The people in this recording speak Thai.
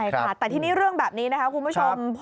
ใช่ค่ะแต่ทีนี้เรื่องแบบนี้นะคะคุณผู้ชม